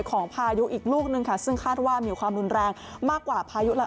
พายุอีกลูกนึงค่ะซึ่งคาดว่ามีความรุนแรงมากกว่าพายุละ